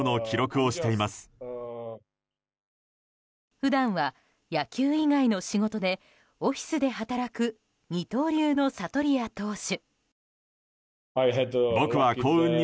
普段は、野球以外の仕事でオフィスで働く二刀流のサトリア投手。